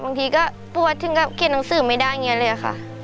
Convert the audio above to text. บางทีก็พูดถึงก็เขียนหนังสือไม่ได้อย่างนี้เลยค่ะ